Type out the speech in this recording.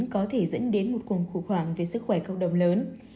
có thể dẫn đến một cuộc khủng hoảng về sức khỏe cộng đồng lớn